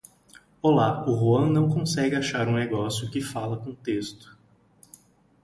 Olá, o Ruan não consegue achar um negócio que fala com texto.